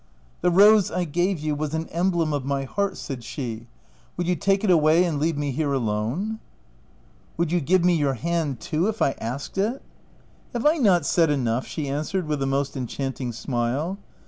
"The rose I gave you was an emblem of my heart," said she ; "would you take it away and leave me here alone ?'*" Would you give me your hand too, if I asked it ?"" Have I not said enough ?" she answered with a most enchanting smile.